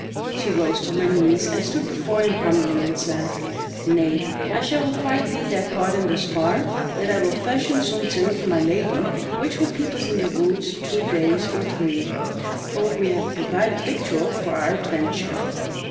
She rose from her knees, and stood before him humbly and said: "Nay, I shall requite thee thy pardon thus far, that I will fashion some tale for my lady which will keep us in the woods two days or three; for we have provided victual for our adventure."